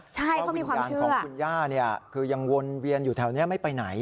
ใช่เขามีความเชื่อว่าวิญญาณของคุณย่าเนี่ยคือยังวนเวียนอยู่แถวนี้ไม่ไปไหน